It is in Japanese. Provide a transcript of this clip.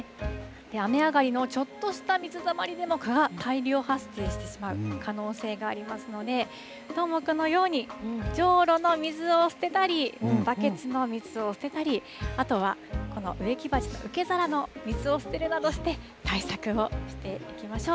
雨上がりのちょっとした水たまりでも、蚊が大量発生してしまう可能性がありますので、どーもくんのように、じょうろの水を捨てたり、バケツの水を捨てたり、あとはこの植木鉢の受け皿の捨てるなどして、対策をしていきましょう。